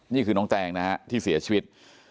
นี่คือน้องแตงนะฮะที่เสียชีวิต